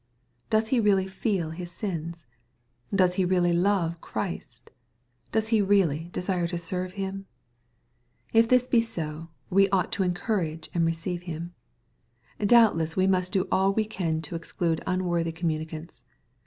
— Does he r eally fe el his sins ? Does he really love Christ ? Does he really desire to serve Him ? If this be so, we ought to encourage and receive him. Doubtless we must do all we can to exclude unworthy communioanta.